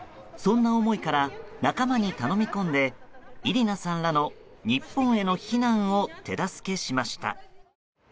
そんな思いから仲間に頼み込んでイリナさんらの日本への避難を手助けしました。